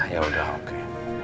ya udah oke